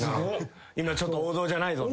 今ちょっと王道じゃないぞと。